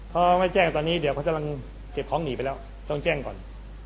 พอไม่แจ้งตอนนี้เดี๋ยวเขากำลังเก็บของหนีไปแล้วต้องแจ้งก่อน